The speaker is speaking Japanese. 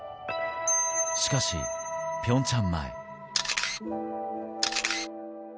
しかしピョンチャン前。